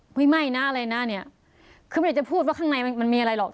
ไม่นะอะไรนะเนี่ยคือไม่อยากจะพูดว่าข้างในมันมีอะไรหรอก